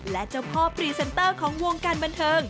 และเจ้าพ่อพรีเซนเตอร์ของวงการบันเทิง